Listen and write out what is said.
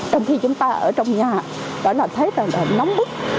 trong khi chúng ta ở trong nhà đã là thấy là nóng bức